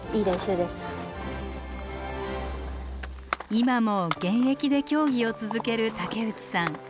今も現役で競技を続ける竹内さん。